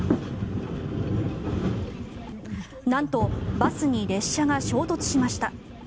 なんとバスに列車が衝突しました。